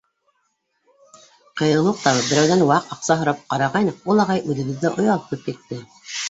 Ҡыйыулыҡ табып, берәүҙән ваҡ аҡса һорап ҡарағайныҡ, ул ағай үҙебеҙҙе оялтып китте.